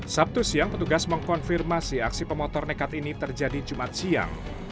sabtu siang petugas mengkonfirmasi aksi pemotor nekat ini terjadi jumat siang